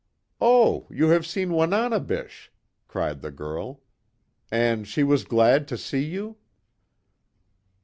"Oh, you have seen Wananebish!" cried the girl, "And she was glad to see you?"